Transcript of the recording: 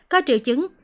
có triệu chứng